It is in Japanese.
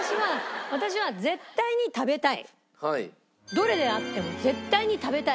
どれであっても絶対に食べたい。